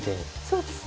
そうです。